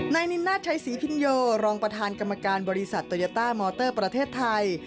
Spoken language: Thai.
นินนาชัยศรีพินโยรองประธานกรรมการบริษัทโตยาต้ามอเตอร์ประเทศไทย